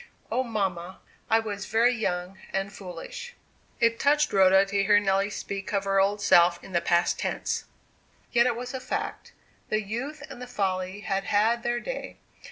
O mamma, I was very young and foolish!" It touched Rhoda to hear Nelly speak of her old self in the past tense. Yet it was a fact; the youth and the folly had had their day.